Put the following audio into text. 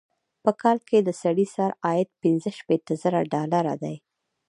په کال کې یې د سړي سر عاید پنځه شپيته زره ډالره دی.